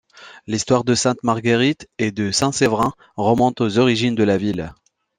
L'histoire de Sainte-Marguerite et, de Saint-Séverin; remontent aux origines de la ville.